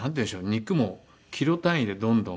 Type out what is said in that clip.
肉もキロ単位でどんどん買って。